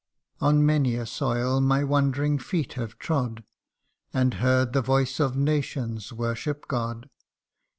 On many a soil my wandering feet have trod, And heard the voice of nations worship God.